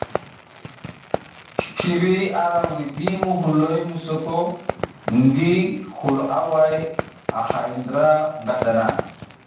Kiri ara widi muhuloy mi soka ngi hulo away a hay ndra nga dana.